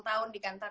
tahun di kantor